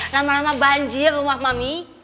lama lama banjir rumah mam